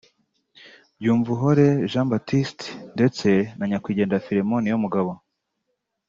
Byumvuhore Jean Baptiste ndetse na nyakwigendera Philemon Niyomugabo